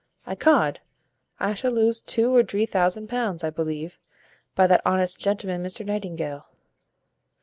'Icod! I shall lose two or dree thousand pounds, I believe, by that honest gentleman, Mr Nightingale."